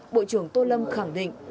bộ trưởng tô lâm khẳng định